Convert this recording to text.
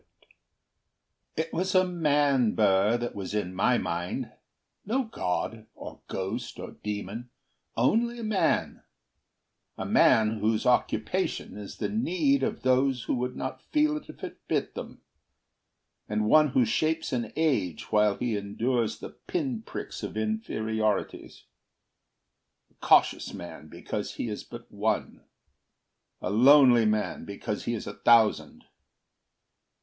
HAMILTON It was a man, Burr, that was in my mind; No god, or ghost, or demon only a man: A man whose occupation is the need Of those who would not feel it if it bit them; And one who shapes an age while he endures The pin pricks of inferiorities; A cautious man, because he is but one; A lonely man, because he is a thousand.